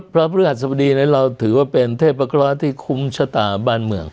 พระพฤหัสบดีนั้นเราถือว่าเป็นเทพกราชที่คุ้มชะตาบ้านเมือง